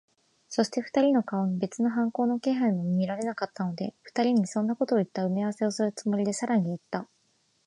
そして、二人の顔に別に反抗の気配も見られなかったので、二人にそんなことをいった埋合せをするつもりで、さらにいった。